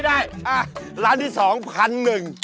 อ่ะร้านที่สอง๑๐๐๐หนึ่ง